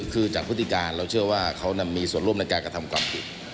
คือจากพฤติการเราเชื่อว่าเขามีส่วนร่วมในการกระทำความผิด